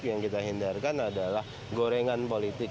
yang kita hindarkan adalah gorengan politik